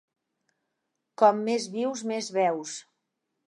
Com més vius, més veus.